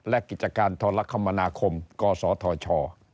และกิจการธรรมนาคมกสทช